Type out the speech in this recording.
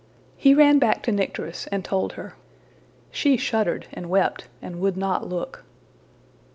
He ran back to Nycteris and told her. She shuddered and wept, and would not look.